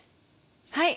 はい！